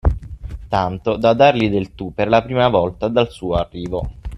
tanto da dargli del tu per la prima volta dal suo arrivo